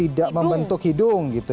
tidak membentuk hidung gitu